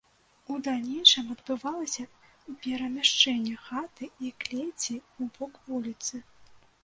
У далейшым адбывалася перамяшчэнне хаты і клеці ў бок вуліцы.